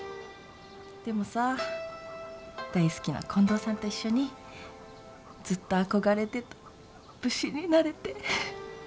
でもさ大好きな近藤さんと一緒にずっと憧れてた武士になれて。